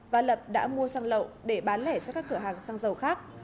và lập đã mua xăng lậu để bán lẻ cho các cửa hàng xăng dầu khác